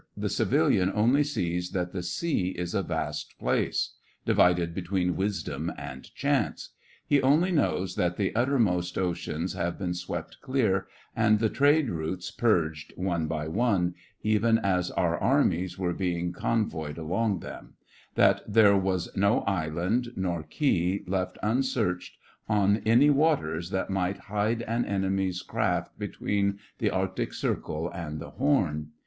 The civilian only sees that the sea is a vast place, divided between wisdom and chance. He only knows that the uttermost oceans have been swept clear, and the trade routes purged, one by one, even as our armies were being con voyed along them; that there was no island nor key left unsearched on any 122 THE FRINGES OF THE FLEET waters that might hide an enemy's craft between the Arctic Circle and the Horn.